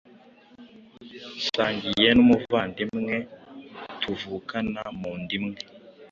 nsangiye n’umuvandimwe tuvukana munda imwe